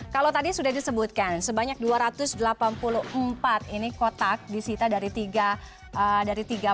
kalau tadi sudah disebutkan sebanyak dua ratus delapan puluh empat ini kotak disita dari tiga puluh